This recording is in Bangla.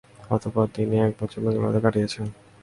অতঃপর তিনি এক বছর বেঙ্গালুরুতে কাটিয়েছেন।